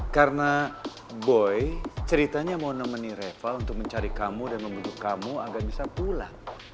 karena boy ceritanya mau nemenin reva untuk mencari kamu dan membantu kamu agar bisa pulang